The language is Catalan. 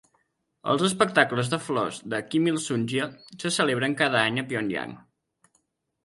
Els espectacles de flors de Kimilsungia se celebren cada any a Pyongyang.